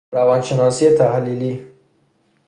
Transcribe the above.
روان شناسی تحلیلی